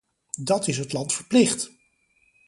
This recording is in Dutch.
Dat is het land verplicht!